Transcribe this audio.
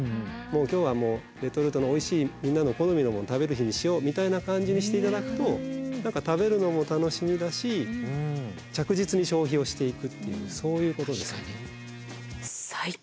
今日はもうレトルトのおいしいみんなの好みのものを食べる日にしようみたいな感じにして頂くと食べるのも楽しみだし着実に消費をしていくっていうそういうことですよね。